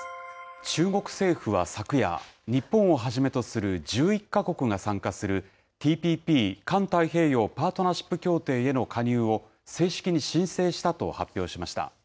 中国政府は昨夜、日本をはじめとする１１か国が参加する、ＴＰＰ・環太平洋パートナーシップ協定への加入を正式に申請したと発表しました。